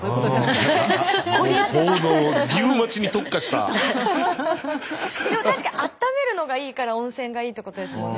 でもたしか温めるのがいいから温泉がいいってことですもんね。